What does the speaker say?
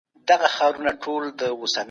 هغه د ښه ژوند له پاره هلي ځلي کولي.